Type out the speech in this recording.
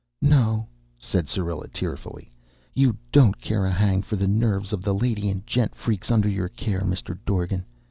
"No," said Syrilla tearfully, "you don't care a hang for the nerves of the lady and gent freaks under your care, Mr. Dorgan.